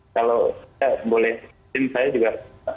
kalau saya boleh tim saya juga